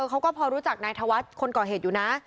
เขาก็พอรู้จักนายธวัฒน์คนก่อเหตุอยู่นะ